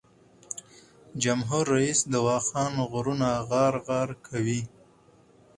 جمهور رییس د واخان غرونه غار غار کوي.